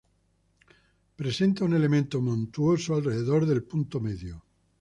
Presenta un elemento montuoso alrededor del punto medio.